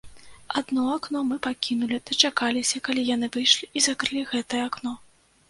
Адно акно мы пакінулі, дачакаліся, калі яны выйшлі, і закрылі гэтае акно.